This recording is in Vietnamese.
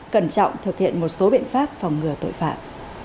cẩn trọng thực hiện một số biện pháp phòng ngừa tội phạm